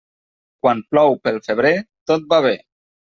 Quan plou pel febrer, tot va bé.